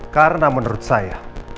karena menurut saya